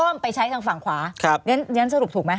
อ้อมไปใช้ทางฝั่งขวาเนี่ยนั้นสรุปถูกมั้ย